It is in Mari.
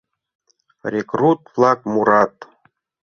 Рекрут-влак мурат.